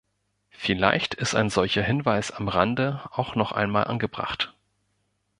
Vielleicht ist ein solcher Hinweis am Rande auch noch einmal angebracht.